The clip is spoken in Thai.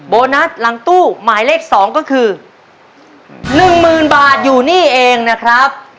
โบนัสหลังตู้หมายเลข๒ก็คือ๑๐๐๐บาทอยู่นี่เองนะครับ